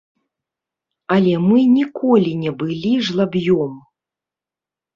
Але мы ніколі не былі жлаб'ём.